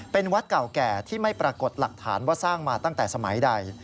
เป็นวัดเก่าแก่ที่ไม่ปรากฏหลักฐานว่าสร้างมาตั้งแต่สมัยใด